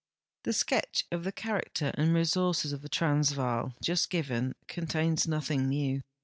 The sketch of the character and resources of the Transvaal just given contains nothing new.